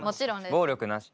暴力なし。